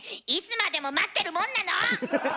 いつまでも待ってるもんなの！